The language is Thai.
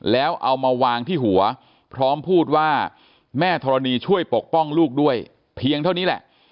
แล้วเอามาวางที่หัวพร้อมพูดว่าแม่ธรณีช่วยปกป้องลูกด้วยเพียงเท่านี้แหละ